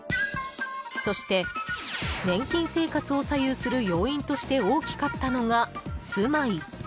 そして、年金生活を左右する要因として大きかったのが住まい。